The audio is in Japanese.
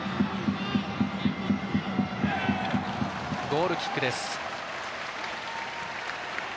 ゴールキックです。